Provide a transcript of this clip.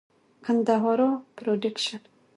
ګندهارا پروډکشن.